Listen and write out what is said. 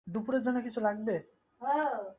দুঃখিত, জিম্বো, আমি-আমি এইভাবে বলতে চাইনি।